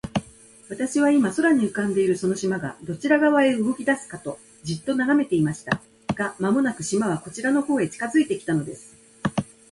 私は、今、空に浮んでいるその島が、どちら側へ動きだすかと、じっと眺めていました。が、間もなく、島はこちらの方へ近づいて来たのです。